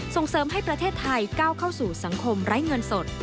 ส่งเสริมให้ประเทศไทยก้าวเข้าสู่สังคมไร้เงินสด